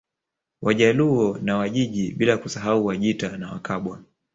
Wajaluo na Wajiji bila kusahau Wajita na Wakabwa